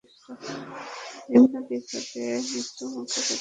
নিম্নদিক হতে মৃত্যুমুখে পতিত হওয়া থেকে তোমার মাহাত্মে্যর আশ্রয় প্রার্থনা করছি।